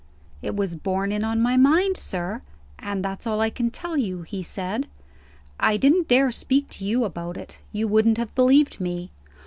"It was borne in on my mind, sir; and that's all I can tell you," he said. "I didn't dare speak to you about it; you wouldn't have believed me.